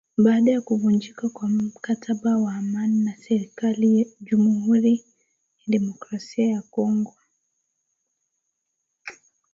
baada ya kuvunjika kwa mkataba wa amani na serikali Jamuhuri ya Demokrasia ya Kongo